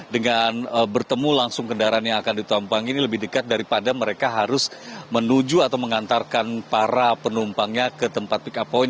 dengan bertemu langsung kendaraan yang akan ditampang ini lebih dekat daripada mereka harus menuju atau mengantarkan para penumpangnya ke tempat pick up point